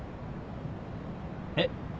えっ？